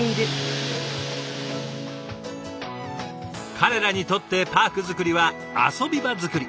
彼らにとってパーク作りは遊び場作り。